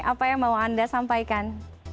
apa yang mau anda sampaikan